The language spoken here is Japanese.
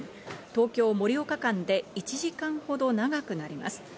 東京−盛岡間で１時間ほど長くなります。